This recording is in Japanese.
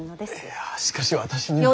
いやしかし私には。